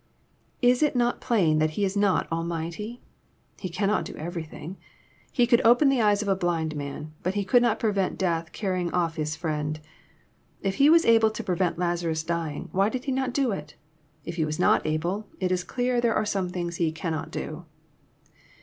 Is it not plain that He is not Almighty ? He cannot do everything. He could open the eyes of a blind man, but He could not prevent death carry ing off 9is friend. If He was able to prevent Lazarus dying, why did He not do it? If He was not able, it is clear there are some things He cannot do."